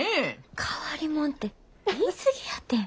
変わりもんて言い過ぎやて。